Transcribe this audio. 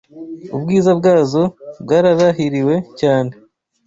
Ubwiza bwazo bwararahiriwe cyane